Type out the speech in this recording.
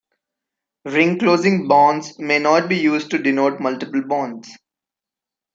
Ring-closing bonds may not be used to denote multiple bonds.